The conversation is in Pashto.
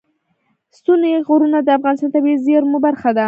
ستوني غرونه د افغانستان د طبیعي زیرمو برخه ده.